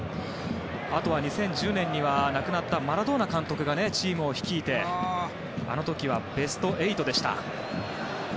あとは２０１０年には亡くなったマラドーナ監督がチームを率いてあの時はベスト８でした。